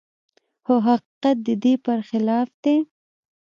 خو حقيقت د دې پرخلاف دی.